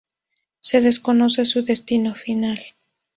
Se desconoce su destino final.